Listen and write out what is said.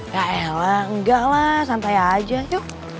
yaelah enggaklah santai aja yuk